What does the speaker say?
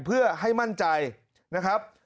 เพื่อให้มั่นใจนะครับ